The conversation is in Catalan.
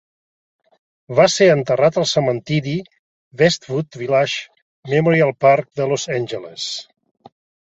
Va ser enterrat al cementiri Westwood Village Memorial Park de Los Angeles.